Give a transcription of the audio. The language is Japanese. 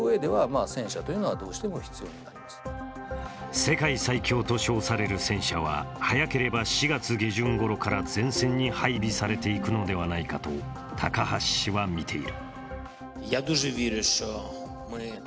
世界最強と称される戦車は早ければ４月下旬ごろから前線に配備されていくのではないかと高橋氏は見ている。